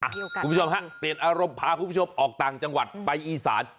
เอ้าพ่อผู้ชมฮะเตรียมอารมณ์พาพวกผู้ชมออกต่างจังหวัดไปอีสาน